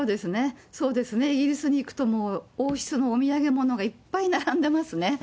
そうですね、イギリスに行くと、もう王室のお土産物がいっぱい並んでますね。